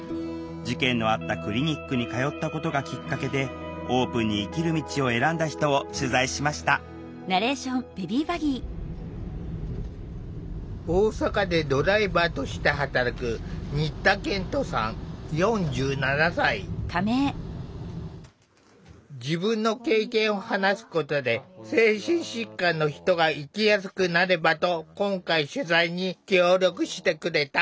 事件のあったクリニックに通ったことがきっかけでオープンに生きる道を選んだ人を取材しました大阪でドライバーとして働く自分の経験を話すことで精神疾患の人が生きやすくなればと今回取材に協力してくれた。